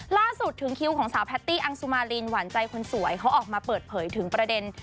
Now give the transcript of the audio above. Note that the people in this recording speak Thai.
ถึงคิวของสาวแพตตี้อังสุมารินหวานใจคนสวยเขาออกมาเปิดเผยถึงประเด็น